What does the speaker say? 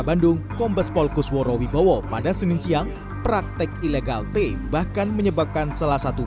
bandung kombes polkusworo wibowo pada senin siang praktek ilegal t bahkan menyebabkan salah satu